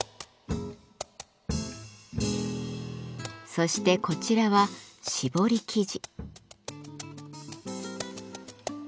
そしてこちらは絞り生地。